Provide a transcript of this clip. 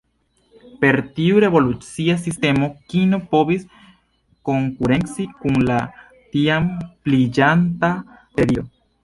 Per tiu revolucia sistemo kino povis konkurenci kun la tiam pliiĝanta televido.